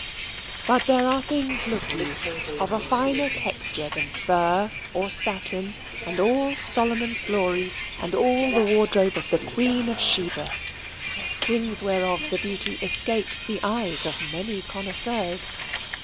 But there are things, look you, of a finer texture than fur or satin, and all Solomon's glories, and all the wardrobe of the Queen of Sheba things whereof the beauty escapes the eyes of many connoisseurs.